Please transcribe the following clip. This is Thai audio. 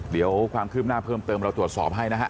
เดี๋ยวความคืบหน้าเพิ่มเติมเราตรวจสอบให้นะฮะ